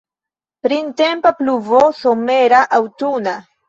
Printempa pluvo, somera, aŭtuna!